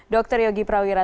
dr yogi prawira